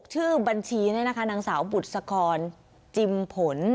ชื่อบัญชีนี่นะคะนางสาวบุษกรจิมผล